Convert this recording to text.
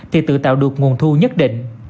thì tự tạo được nguồn thu nhất định